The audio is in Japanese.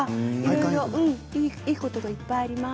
いいことがいっぱいあります。